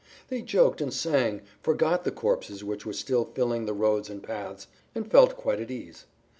They joked and sang, forgot the corpses which were still filling the roads and paths, and felt quite at ease.